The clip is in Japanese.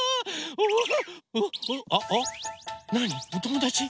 おともだち？